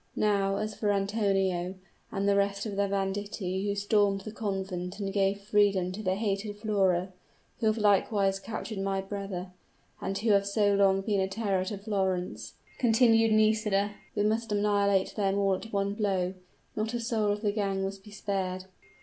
"Now, as for Antonio, and the rest of the banditti who stormed the convent and gave freedom to the hated Flora who have likewise captured my brother and who have so long been a terror to Florence," continued Nisida; "we must annihilate them all at one blow; not a soul of the gang must be spared!"